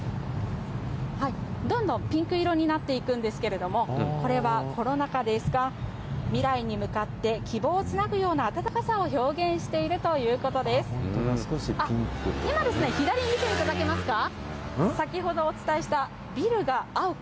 どんどんピンク色になっていくんですけれども、これはコロナ禍ですが、未来に向かって希望をつなぐような温かさを表現しているというこ少しピンク。